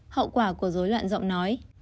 hậu quả của dối loạn giọng nói